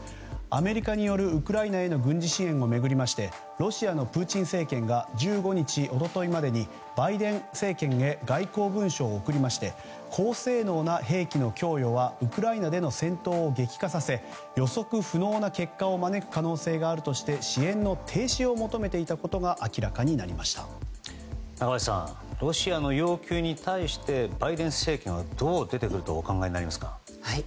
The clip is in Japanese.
アメリカによるウクライナへの軍事支援を巡りましてロシアのプーチン政権が１５日、一昨日までにバイデン政権へ外交文書を送りまして高性能の兵器の供与はウクライナでの戦闘を激化させ、予測不能な結果を招く可能性があるとして支援の停止を求めていたことがロシアの要求に対してバイデン政権はどう出てくるとお考えになりますか？